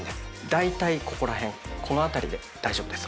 だいたいここら辺この辺りで大丈夫です。